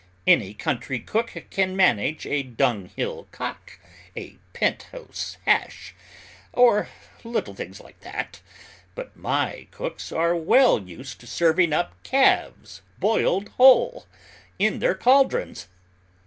Any country cook can manage a dunghill cock, a pentheus hash, or little things like that, but my cooks are well used to serving up calves boiled whole, in their cauldrons!"